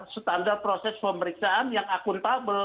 standar proses pemeriksaan yang akuntabel